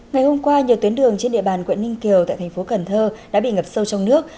ngày hôm qua nhiều tuyến đường trên địa bàn quận ninh kiều tại thành phố cần thơ đã bị ngập sâu trong nước